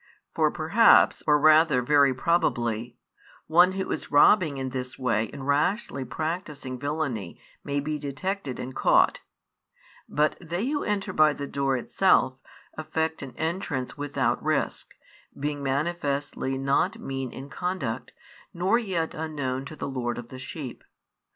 For perhaps, or rather very probably, one who is robbing in this way and rashly practising villainy may be detected and caught; but they who enter by the door itself, effect an entrance without risk, being manifestly not mean in conduct, nor yet unknown to the lord of the sheep.